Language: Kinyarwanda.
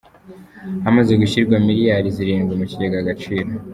Hamaze gushyirwa Miliyari zirindwi mu kigega Agaciro